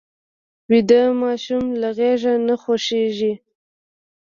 ویده ماشوم له غېږه نه خوشې کېږي